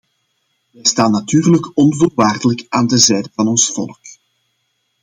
Wij staan natuurlijk onvoorwaardelijk aan de zijde van ons volk.